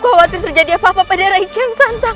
aku khawatir terjadi apa apa pada rai kian santang